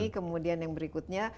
kemudian yang berikutnya